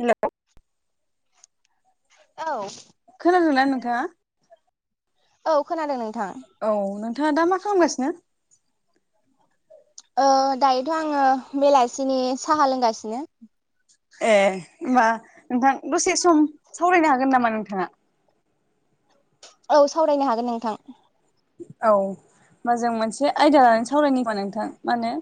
हेल' औ खोनादोंंना नोंथा औ खोनादों नोंथां औ नोंथाङा दा मा खालामगासिनो दायोथ' आङो बेलासिनि साहा लोंगासिनो ए होमबा नोंथां दसे सम सावरायनो हागोन नामा नोंथाङा औ सावरायनो हागोन नोंथां औ होमबा जों मोनसे आयदा लानानै सावरायनि होनबा नोंथां मा होनो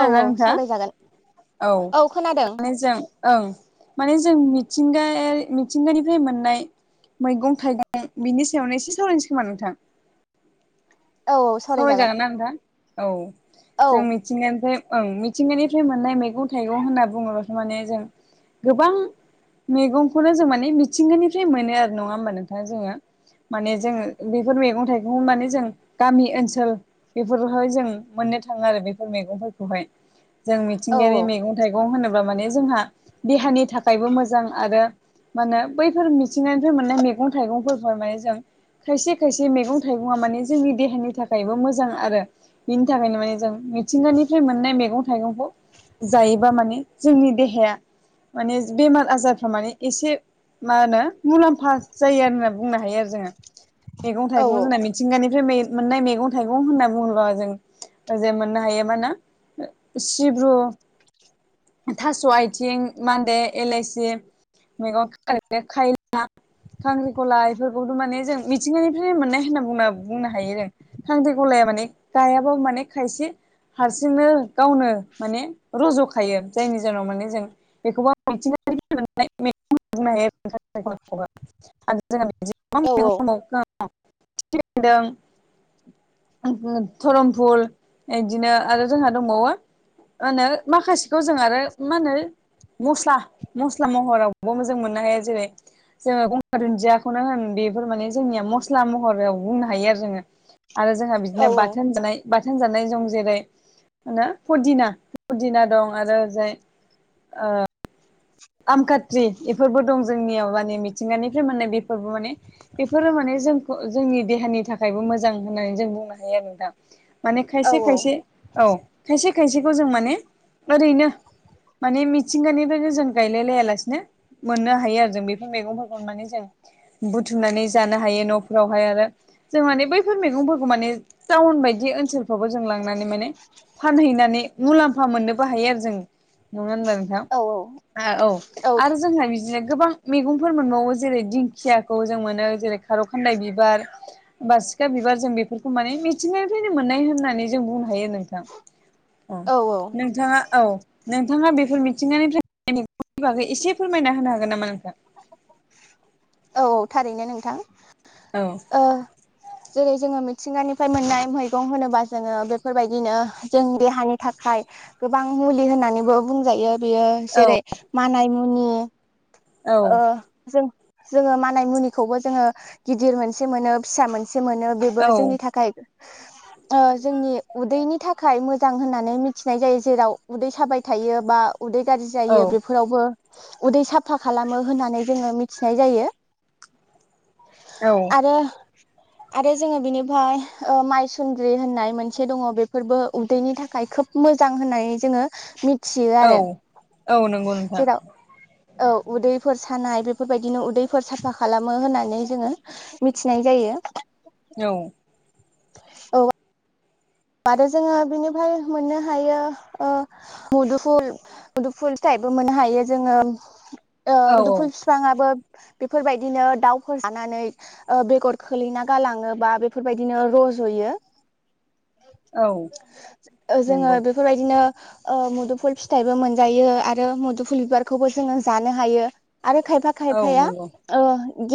औ ना औ सावरायजागोन नोंथाङा औ माने जों ओं माने जों मिथिंगायारि मिथिंगानिफ्राय मोननाय मैगं थाइगं बिनि सायावनो एसे सावरायनोसै खोमा नोंथां औ औ सावराय सावरायजागोन जागोन ना नोंथां औ औ जों मि मिथिंगानिफ्राय ओं मिथिंगानिफ्राय मोननाय मैगं थाइगं होनना बुङोब्लाथ' माने जों गोबां मैगंखौनो जों माने मिथिंगानिफ्राय मोनो आरो नङा होमबा नोंथां जोङो माने जोङो बेफोर मैगं थाइगं माने जों गामि ओनसोल बेफोरावहाय जों मोननो थाङो आरो बेफोर मैगंफोरखौहाय जों औ मिथिंगायारि मैगं थाइगं होनोब्ला माने जोंहा देहानि थाखायबो मोजां आरो मा होनो बैफोर मिथिंगानिफ्राय मोननाय मैगं थाइगंफोरखौहाय माने जों खायसे खायसे मैगं थाइगङा माने जोंनि देहानि थाखायबो मोजां आरो बिनि थाखायनो माने जों मिथिंगानिफ्राय मोननाय मैगं थाइगंखौ जायोबा माने जोंनि देहाया माने बेमार आजारफ्रा माने एसे मा होनो मुलाम्फा जायो आरो होनना बुंनो हायो आरो जोङो मेगं औ थाइगं जोंना मिथिंगानिफ्राय मोननाय मेगं थाइगं होनना बुङोब्ला जों ओरजाय मोननो हायो मा होनो सिब्रु थास' आथिं मान्दे एलायसि मैगं [unintelligible] खाय ला खांख्रिखला इफोरखौबोथ' माने जों मिथिंगानिफ्राय मोननाय होनना बुंनो बुंनो हायो जों खांख्रिखलाया माने गायाबो माने खायसे हारसिंनो गावनो माने रज' खायो जायनि जाहोनाव माने जों बेखौबो मिथिंगानिफ्राय मोननाय मेगं होनना बुंनो हायो आरो नोंथां खांख्रिखलाखौबो आरो जोंहा बिदिनो औ गोबां मैगं दंबावो [unintelligible] खिफि बेनदों [unintelligible] धरमफुल एदिनो आरो जोंहा दंबावो मा होनो माखासेखौ जों आरो मा होनो मस्ला मस्ला महरावबो जों मोननो हाया जेरै जोङो गंगार दुन्दियाखौनो होन बेफोर माने जोंनिया मस्ला महराव बुंनो हायो आरो जोङो आरो जोंहा औ बिदिनो बाथोन जानाय बाथोन जानाय दं जेरै मा होनो पुदिना पुदिना दं आरो ओरैजाय आमखाट्रि इफोरबो दं जोंनियाव माने मिथिंगानिफ्राय माननाय बे फोरबो माने बेफोरो माने जोंखौ जोंनि देहानि थाखायबो मोजां होननानै जों बुंनो हायो आरो नोंथां माने औ खायसे खायसे औ खायसे खायसेखौ जों माने ओरैनो माने मिथिंगानिफ्रायनो जों गायलायलाया लासिनो मोननो हायो आरो जों बेफोर मैगंफोरखौ माने जों बुथुमनानै जानो हायो न'फोरावहाय आरो जों माने बैफोर मैगंफोरखौ माने टाउन बायदि ओनसोलफ्रावबो जों लांनानै माने फानहैनानै मुलाम्फा मोननोबो हायो आरो जों नङा होनबा नोंथाङा औ औ औ आरो जोंहा बिदिनो गोबां मेगंफोर मोनबावो जेरै दिंखियाखौ जों मोनो जेरै खार खान्दाय बिबार बासिखा बिबार जों बेफोरखौ माने मिथिंगानिफ्रायनो मोननाय होननानै जों बुंनो हायो नोंथां औ औ नोंथाङा औ नोंथाङा बेफोर मिथिंगानिफ्राय [unintelligible] बागै एसे फोरमायना होनो हागोन नामा नोंथां औ औ थारैनो नोंथां औ ओ जेरै जोङो मिथिंगानिफ्राय मोननाय मैगं होनोबा जोङो बेफोरबायदिनो जों देहानि थाखाय गोबां मुलि होननानैबो बुंजायो बेयो औ जेरै मानाय मुनि औ ओ जों जोङो मानाय मुनिखौबो जोङो गिदिर मोनसे मोनो फिसा मोनसे मोनो बेबो जोंनि थाखाय [inaudible] ओ जोंनि उदैनि थाखाय मोजां होननानै मिथिनाय जायो जेराव उदै साबाय थायोबा उदै गाज्रि औ जायो बेफोरावबो उदै साफा खालामो होननानै जोङो मिथिनाय जायो। औ आरो आरो जोङो बिनिफ्राय ओ माइसन्द्रि होननाय मोनसे दङ बेफोरबो उदैनि थाखाय खोब मोजां होननानै जोङो मिथियो औ आरो औ नंगौ नोंथां जेराव औ उदैफोर सानाय बेफोरबायदिनो उदैफोर साफा खालामो होननानै जोङो मिथिनाय जायो। औ औ आरो जोङो बिनिफ्राय मोननो हायो ओ मुदुफुल मुदुफुल फिथाइबो मोननो हायो जोङो ओ औ मुदुफुल बिफाङाबो बेफोरबायदिनो दाउफोर जानानै ओ बेगर खोलैना गालाङोबा बेफोरबायदिनो रज'यो। औ ओ जोङो नंगौ बेफोरबायदिनो ओ मुदुफुल फिथाइबो मोनजायो आरो मुदुफुल बिबारखौबो जोङो जानो हायो। आरो खायफा औ खायफाया नंगौ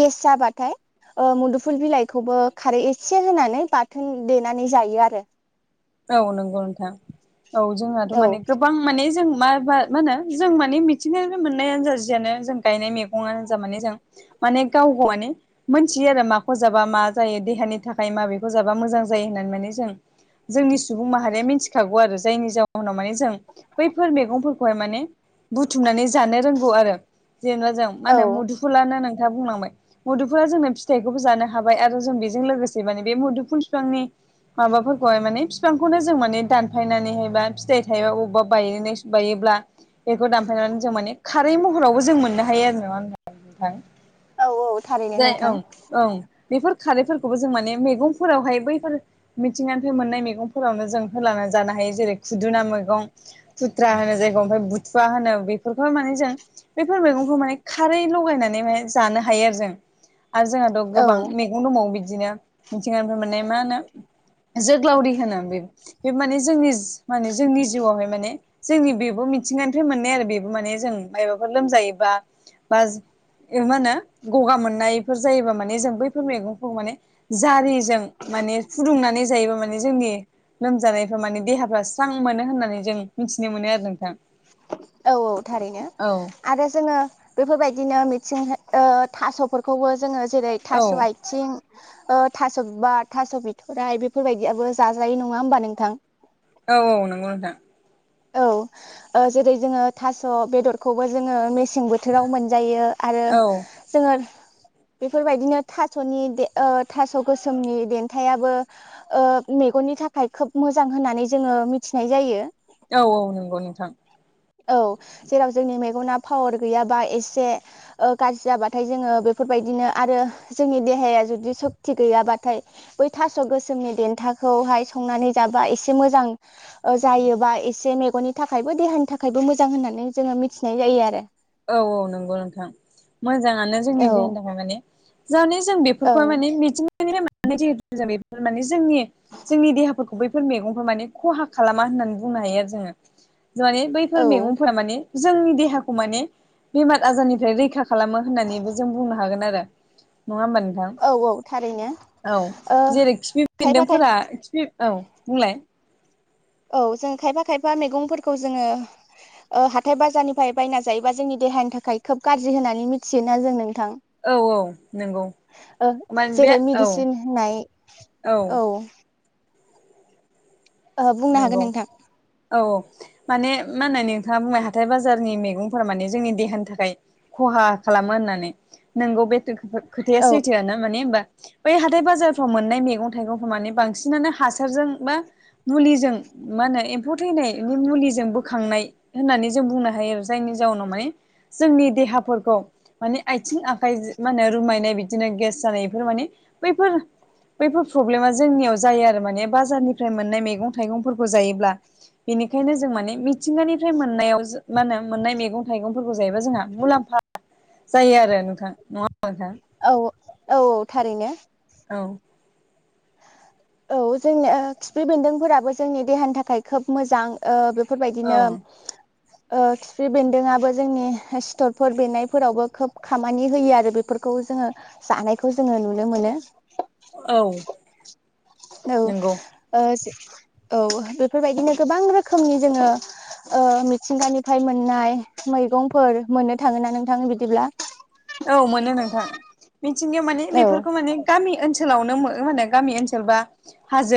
गेस जाबाथाय ओ मुदुफुल बिलाइखौबो खारै एसे होनानै बाथोन देनानै जायो आ रोे औ नंगौ नोंथां औ जोंहाथ' औ माने गोबां माने जों माबा मा होनो जों माने मिथिनाय मोननायानो जा जियानो जों गायनाय मैगङानो जा माने जों माने गाव गावानो मोनथियो आरो माखौ जाबा मा जायो देहानि थाखाय माबेखौ जाबा मोजां जायो होननानै माने जों जोंनि सुबुं माहारिया मिथिखागौ आरो जायनि जाउनाव माने जों बैफोर मैगंफोरखौहाय माने बुथुमनानै जानो रोंगौ आरो जेनेबा जों मा औ होनो मुदुफुलानो नोंथा बुंलांबाय मुदुफुला जोंनो फिथाइखौबो जानो हाबाय आरो जों बेजों लोगोसे माने बे मुदुफुल बिफांनि माबा खौहाय माने फिफांखौनो जों माने दानफायनानैहायबा फिथाइ थायोबा बबेबा बाय बायोब्ला बेखौ दानफायनानै जों माने खारै महरावबो जों मोननो हायो आरो नङा ओमबा नोंथां? औ औ थारैनो जाय नोंथां ओं ओं बेफोर खारैफोरखौबो जों माने मैगंफोरावहाय बैफोर मिथिंगानि [unintelligible] बै मोननाय मैगंफोरावनो जों होलाना जानो हायो जेरै खुदुना मैगं खुथ्रा होनो जायखौ ओमफ्राय बुथुवा होनो बेफोरखौ माने जों बैफोर मैगंखौ माने खारै लगायनानै माने जानो हायो आरो जों आरो जोङो थ' औ गोबां मैगं दंबावो बिदिनो मिथिंगानिफ्राय मोननाय मा होनो जोग्लावरि होनो बे बे माने जोंनि माने जोंनि जिउआवहाय माने जोंनि बेबो मिथिंगानिफ्राय मोननाय आरो बेबो माने जों मायबाफोर लोमजायोबा बा मा होनो गगा मोननायफोर जायोबा माने जों बैफोर मैगंखौ माने जारिजों माने फुदुंनानै बे माने जोंनि लोमजानायफ्रा माने देहाफ्रा स्रां मोनो होननानै जों मिथिनो मोनो आरो नोंथां। औ औ थारैनो औ आरो जोङो बेफोरबायदिनो मिथिं ओ थास'फोरखौबो जोङो जेरै औ थास' आइ थिं ओ थास' बिबार थास' बिथ'राइ बेफोरबायदियाबो जाजायो नङा ओमबा नोंथां? औ औ नंगौ नोंथां औ ओ जेरै जोङो थास' बेदरखौबो जोङो मेसें बोथोराव मोनजायो आरो औ जोङो बेफोरबायदिनो थास'नि थास' गोसोमनि देन्थायाबो मेगननि थाखाय खोब मोजां होननानै जोङो मिथिनाय जायो औ औ नंगौ नोंथां औ जेराव जोंनि मेगना पावार गैयाबा एसे गाज्रि जाबाथाय जोङो बेफोरबायदिनो आरो जोंनि देहाया जुदि सक्ति गैयाबाथाय बै थास' गोसोमनि देन्थाखौहाय संनानै जाबा एसे मोजां जायोबा एसे मेगननि थाखायबो देहानि थाखायबो मोजां होननानै जोङो मिथिनाय जायो आरो औ औ नंगौ नोंथां मोजाङानो जोंनि औ देहानि थाखाय माने जानि जों बे फोरखौ ओं माने मिथिं बेफोर माने जोंनि [unintelligible] जोंनि देहाफोरखौ बैफोर मैगंफोरा माने खहा खालामा होननानै बुंनो हायो आरो जोङो माने बैफोर औ मैगंफोरा माने जोंनि देहाखौ माने बेमार आजारनिफ्राय रैखा खालामो होननानैबो जों बुंनो हागोन आरो नङा होमबा नों औ औ थारैनो थां औ ओ जेरै खिफि खायफा खाय बेन्दोंफोरा खिफि औ बुंलाय औ जों खायफा खायफा मैगंफोरखौ जोङो हाथाय बाजारनिफ्राय बायना जायोबा जोंनि देहानि थाखाय खोब गाज्रि होननानै मिथियोना जों नोंथां औ औ नंगौ माने बे जेरै औ मेडिसिन होननाय औ ओहो बुंनो हागोन नंगौ नोंथां औ माने मा होनो नोंथाङा बुंबाय हाथाय बाजारनि मैगंफोरा माने जोंनि देहानि थाखाय खहा खालामो होननानै नोंगौ बे खोथाया औ सैथोआ ना माने होमबा बै हाथाय बाजारफ्राव मोननाय मैगं थाइगंफोरा माने बांसिनानो हासारजों बा मुलिजों मा होनो एम्फौ थैनायनायनि मुलिजों बोखांनाय होननानै जों बुंनो हायो आरो जायनि जाउनाव माने जोंनि देहाफोरखौ माने आथिं आखाय मा होनो रुमायनाय बिदिनो गेस जानाय बेफोर माने बैफोर बैफोर प्रब्लेमा जोंनियाव जायो आरो माने बाजारनिफ्राय मोननाय मैगं थाइगंफोरखौ जायोब्ला बेनिखायनो जों माने मिथिंगानिफ्राय मोननायाव मा होनो मोननाय मैगं थाइगंफोरखौ जायोबाय जोंहा मुलाम जायो आरो नोंथां नङा होमबा नोंथां औ औ औ थारैनो औ औ जोंनि खिफि बेन्दोंफोराबो जोंनि देहानि थाखाय खोब मोजां ओ बेफोरबायदिनो औ खिफि बेन्दोङाबो जोंनि सिथरफोर बेरनायफोरावबो खोब खामानि होयो आरो बेफोर खौ जोङो जानायखौ जोङो नुनो मोनो औ औ नंगौ ओ औ बेफोरबायदिनो गोबां रोखोमनि जोङो ओ मिथिंगानिफ्राय मोननाय मैगंफोर मोननो थाङो ना नोंथां बिदिब्ला औ मोनो नोंथां मिथिंगायाव माने औ बेफोरखौ माने गामि ओनसोलावनो मो माने गामि ओनसोलबा हाजो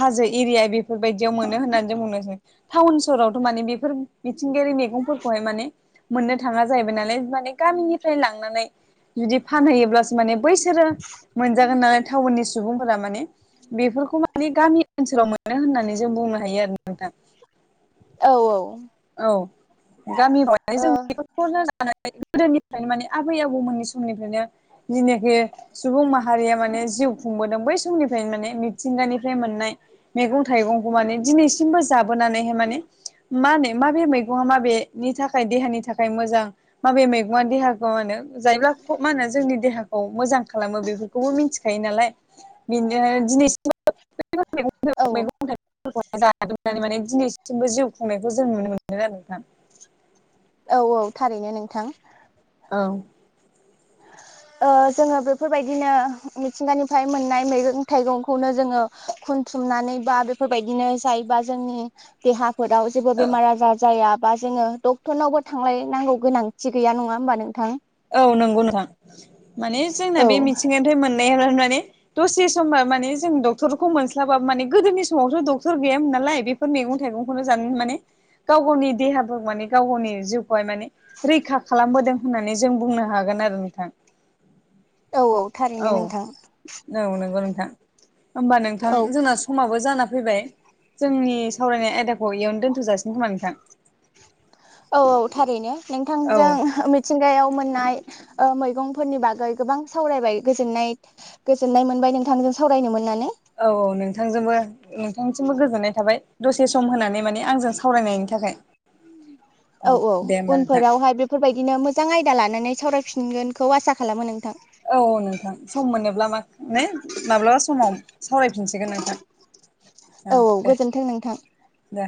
हाजो एरिया बेफोरबायदियाव मोनो होननानै जों बुंनोसै टाउन सहरावथ' माने बेफोर मिथिंगायारि मैगंफोरखौहाय माने मोननो थाङा जाहैबाय नालाय माने गामिनि फ्राय लांनानै जुदि फानहै माने बैसोरो मोनजागोन नालाय टाउननि सु सुबुंफोरा माने बेफोरखौ माने गामि ओनसोलाव मोनो होननानै जों बुंनो हायो आरो नोंथां औ औ औ गामियाव [unintelligible] ओ [unintelligible] जानाय गोदोनिफ्रायनो माने आबै आबौमोननि समनिफ्रायनो जेनाखि सुबुं माहारिया माने जिउ खुंबोदों बै समनिफ्रायनो माने मिथिंगानिफ्राय मोननाय मैगं थाइगंखौ माने दिनैसिमबो जाबोनानैहाय माने मा होनो माबे मैगंआ माबेनि थाखाय देहानि थाखाय मोजां माबे मैगंआ देहाखौ मा होनो जायोब्ला ख मा होनो जोंनि देहाखौ मोजां खालामो बेफोरखौ बेखौबो मिनथिखायो नालाय बेनो दिनैस [unintelligible] दिनैसिमबो औ जिउ खुंनायखौ जों नुनो मोनो आरो नोंथां औ औ थारैनो नोंथां औ ओ जोङो बेफोरबायदिनो मिथिंगानिफ्राय मोननाय मैगं थाइगंखौनो जोङो खुनथुमनानै बा बेफोरबायदिनो जायोबा जोंनि देहाफोराव जेबो औ बेमार आजार जायाबा जोङो डक्टरनावबो थांलायनांगौ गोनांथि गैया नङा होमबा नोंथां औ नंगौ नोंथां माने जोंना औ बे मिथिंगानिफ्राय मोननायानो माने दसे समबा माने जों डक्टरखौ मोनस्लाबा माने गोदोनि समावथ' डक्टर गैयामोन नालाय बे फोर मैगं थाइगंखौनो जानानै माने गाव गावनि देहा माने गाव गावनि जिउखौहाय माने रैखा खालामबोदों होननानै जों बुंनो हागोन आरो नोंथां औ औ औ थारैनो नोंथां औ नंगौ नोंथां होमबा नोंथां औ जोंना समाबो जाना फैबाय जोंनि सावरायनाय आयदाखौ इयावनो दोनथ'जासिगोन खोमा नोंथां औ औ थारैनो औ नोंथांजों अमित मिथिंगायाव मोननाय ओ मैगंफोरनि बागै गोबां सावरायबाय गोजोननाय गोजोननाय मोनबाय नोंथांजों सावरायनो मोननानै औ औ नोंथांजोंबो नोंथांनिसिमबो गोजोननाय थाबाय दसे सम होनानै माने आंजों सावरायनायनि थाखाय औ औ दे होमबा नोंथां उनफोरावहाय बेफोरबायदिनो मोजां आयदा लानानै सावरायफिनगोनखौ आसा खालामो नोंथां औ नोंथां सम मोनोब्ला माने माब्लाबा समाव सावरायफिनसिगोन नोंथां औ दे दे